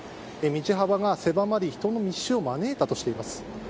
道幅が狭まり人の密集を招いたとしています。